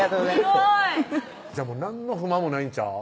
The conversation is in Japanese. すごいじゃあもう何の不満もないんちゃう？